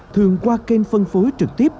thường qua kênh phân phối trực tiếp